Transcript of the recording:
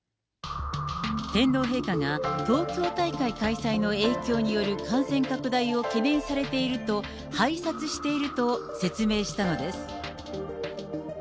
天皇陛下が東京大会開催の影響による感染拡大を懸念されていると拝察していると説明したのです。